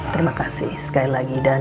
terima kasih sekali lagi dan